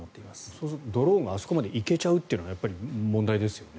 そうするとドローンがあそこまで行けちゃうというのが問題ですよね。